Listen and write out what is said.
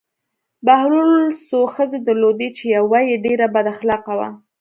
بهلول څو ښځې درلودې چې یوه یې ډېره بد اخلاقه وه.